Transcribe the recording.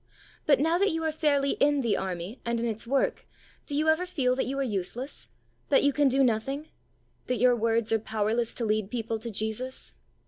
But now that you are fairly in The Army and in its work, do you ever feel that you are useless ; that you can do nothing ; that your words are powerless to lead people to Jesus